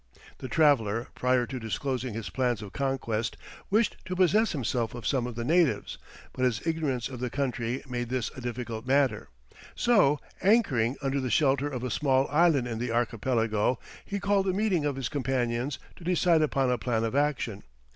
The traveller, prior to disclosing his plans of conquest, wished to possess himself of some of the natives, but his ignorance of the country made this a difficult matter, so, anchoring under the shelter of a small island in the archipelago, he called a meeting of his companions to decide upon a plan of action.